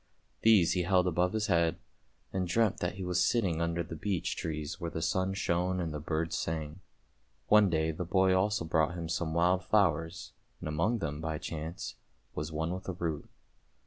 These he held above his head, and dreamt that he was sitting under the beech trees where the sun shone and the birds sang. One day the boy also brought him some wild flowers, and among them, by chance, was one with a root.